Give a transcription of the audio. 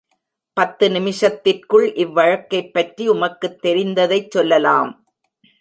பத்து நிமிஷத்திற்குள் இவ்வழக்கைப் பற்றி உமக்குத் தெரிந்ததைச் சொல்லலாம்.